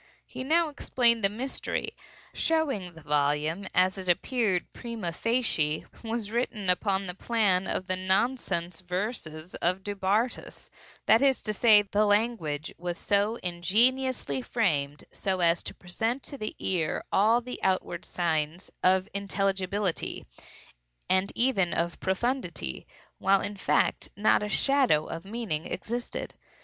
He now explained the mystery; showing that the volume, as it appeared prima facie, was written upon the plan of the nonsense verses of Du Bartas; that is to say, the language was ingeniously framed so as to present to the ear all the outward signs of intelligibility, and even of profundity, while in fact not a shadow of meaning existed.